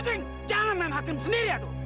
jangan main hakim sendiri ya tuh